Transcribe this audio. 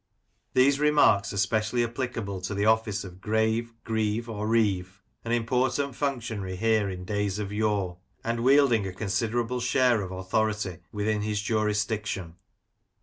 These remarks are specially applicable to the office of Grave, Greave, or Reeve, an important functionary here in days of yore, and wielding a considerable share of authority within his jurisdiction.